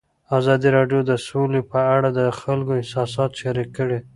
ازادي راډیو د سوله په اړه د خلکو احساسات شریک کړي.